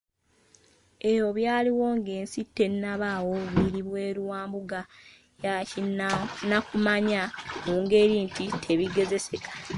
Ebyo ebyaliwo ng’ensi tennabaawo biri bweru wa mbuga ya kinnakumanya mu ngeri nti tebigezeseka.